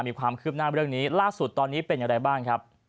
มีความคืบหน้าเรื่องนี้ล่าสุดตอนนี้เป็นอย่างไรบ้างครับ